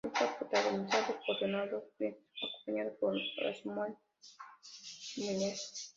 Está protagonizada por Leonardo Sbaraglia, acompañado por Osmar Núñez.